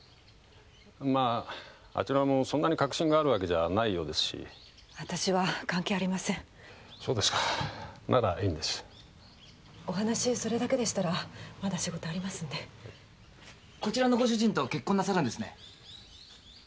まああちらもそんなに確信があるわけじゃないようですし私は関係ありませんそうですかならいいんですお話それだけでしたらまだ仕事ありますんでこちらのご主人と結婚なさるんですね？